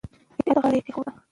د اطاعت غاړه یې کېښوده